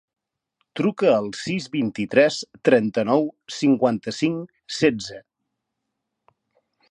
Truca al sis, vint-i-tres, trenta-nou, cinquanta-cinc, setze.